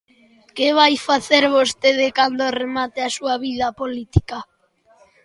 ¿Que vai facer vostede cando remate a súa vida política?